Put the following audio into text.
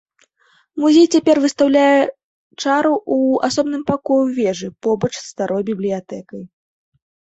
Музей цяпер выстаўляе чару ў асобным пакоі ў вежы побач са старой бібліятэкай.